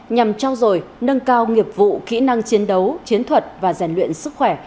nhằm trao dồi nâng cao nghiệp vụ kỹ năng chiến đấu chiến thuật và rèn luyện sức khỏe